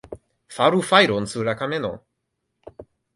Faru fajron sur la kameno!